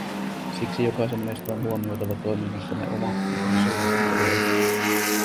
Siksi jokaisen meistä on huomioitava toiminnassamme oma ja kanssaihmisten terveys.